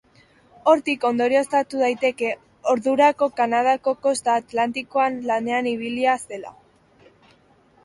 Hortik ondorioztatu daiteke, ordurako Kanadako kosta atlantikoan lanean ibilia zela.